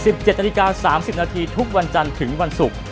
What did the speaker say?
๑๗นาฬิกา๓๐นาทีทุกวันจันทร์ถึงวันศุกร์